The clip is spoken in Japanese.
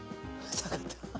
よかった。